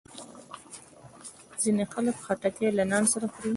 ځینې خلک خټکی له نان سره خوري.